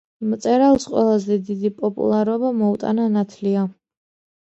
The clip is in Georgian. მწერალს ყველაზე დიდი პოპულარობა მოუტანა „ნათლია“.